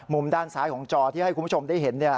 ด้านซ้ายของจอที่ให้คุณผู้ชมได้เห็น